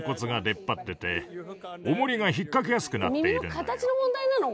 耳の形の問題なの？